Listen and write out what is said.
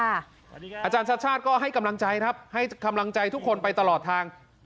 อาจารย์ชาติชาติก็ให้กำลังใจครับให้กำลังใจทุกคนไปตลอดทาง